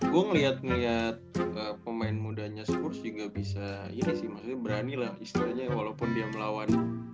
gue ngeliat ngeliat pemain mudanya spurs sehingga bisa ini sih maksudnya berani lah istilahnya walaupun dia melawan